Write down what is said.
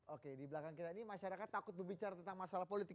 oke di belakang kita ini masyarakat takut berbicara tentang masalah politik